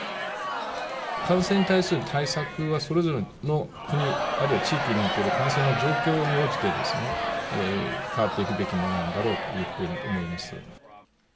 感染に対する対策は、それぞれの国あるいは地域における感染の状況に応じてですね、変わっていくべきものなんだろうというふうに思います。